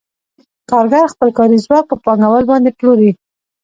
کارګر خپل کاري ځواک په پانګوال باندې پلوري